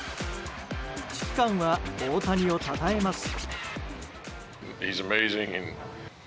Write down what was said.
指揮官は大谷をたたえます。